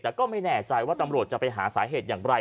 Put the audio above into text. แต่ก็ไม่แน่ใจว่าตำรวจจะไปหาสาเหตุอย่างไร